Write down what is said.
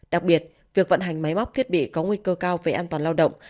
đặc biệt việc vận hành máy móc thiết bị có nguy cơ cao về an toàn lao động